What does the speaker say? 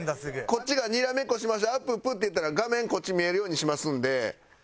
こっちが「にらめっこしましょあっぷっぷ」って言ったら画面こっち見えるようにしますんで。